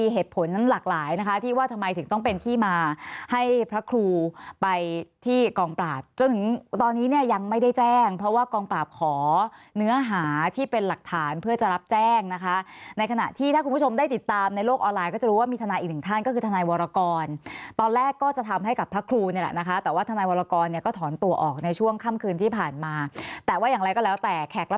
ให้พระครูไปที่กองปราบจนถึงตอนนี้เนี่ยยังไม่ได้แจ้งเพราะว่ากองปราบขอเนื้อหาที่เป็นหลักฐานเพื่อจะรับแจ้งนะคะในขณะที่ถ้าคุณผู้ชมได้ติดตามในโลกออนไลน์ก็จะรู้ว่ามีทนายอีกหนึ่งท่านก็คือทนายวรากรตอนแรกก็จะทำให้กับพระครูนี่แหละนะคะแต่ว่าทนายวรากรเนี่ยก็ถอนตัวออกในช่วงค่ำคื